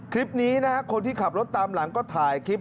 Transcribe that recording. คลิปนี้นะฮะคนที่ขับรถตามหลังก็ถ่ายคลิป